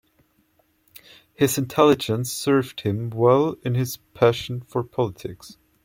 His intelligence served him well in his passion for politics.